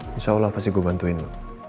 insya allah pasti gue bantuin